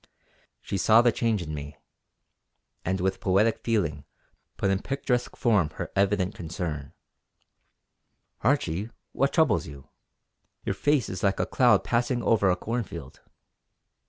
She saw the change in me, and with poetic feeling put in picturesque form her evident concern: "Archie, what troubles you? your face is like a cloud passing over a cornfield!"